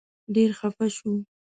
ډېر خپه شو.